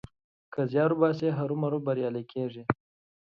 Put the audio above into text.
که زيار وباسې؛ هرو مرو بريالی کېږې.